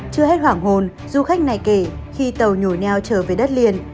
chưa hết hoảng hồn du khách này kể khi tàu nhồi neo trở về đất liền